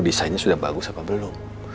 desainnya sudah bagus apa belum